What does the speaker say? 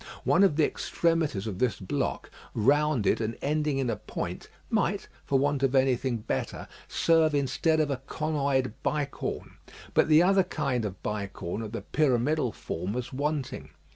One of the extremities of this block, rounded and ending in a point, might, for want of anything better, serve instead of a conoid bicorn; but the other kind of bicorn of the pyramidal form was wanting.